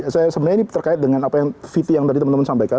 saya sebenarnya ini terkait dengan apa yang viti yang tadi teman teman sampaikan